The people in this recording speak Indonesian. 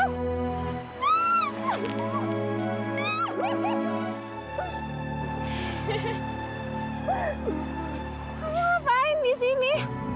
kamu ngapain di sini